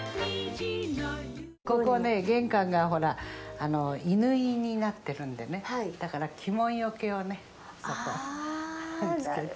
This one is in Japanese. ここね、玄関がほら、いぬいになってるんでね、だから鬼門よけをね、そこ、つけて。